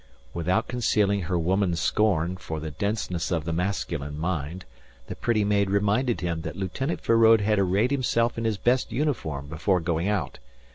Without concealing her woman's scorn for the denseness of the masculine mind, the pretty maid reminded him that Lieutenant Feraud had arrayed himself in his best uniform before going out.